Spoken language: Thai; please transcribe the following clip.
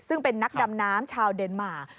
ซึ่งเป็นนักดำน้ำชาวเดนมาร์